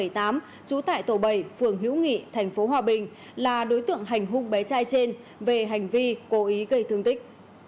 trú tại tổ bảy phường hữu nghị tp hòa bình là đối tượng hành hung bé trai trên về hành vi cố ý gây thương tích